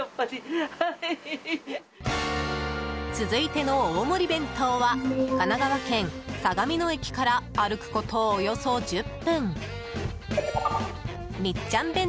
続いての大盛り弁当は神奈川県さがみ野駅から歩くことおよそ１０分みっちゃん